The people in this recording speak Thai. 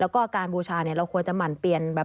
แล้วก็การบูชาเราควรจะหมั่นเปลี่ยนแบบ